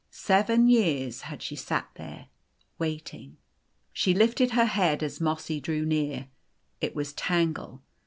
Seven years had she sat there waiting. She lifted her head as Mossy drew near. It was Tangle.